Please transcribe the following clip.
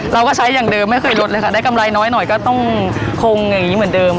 เราก็ใช้อย่างเดิมไม่เคยลดเลยค่ะได้กำไรน้อยหน่อยก็ต้องคงอย่างนี้เหมือนเดิม